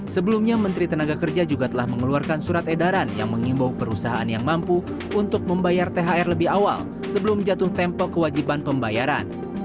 sebelumnya menteri tenaga kerja juga telah mengeluarkan surat edaran yang mengimbau perusahaan yang mampu untuk membayar thr lebih awal sebelum jatuh tempo kewajiban pembayaran